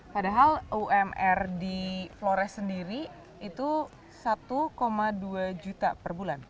padahal umr di flores sendiri itu satu dua juta per bulan